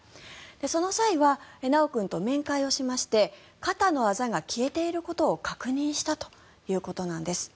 その際は修君と面会をしまして肩のあざが消えていることを確認したということなんです。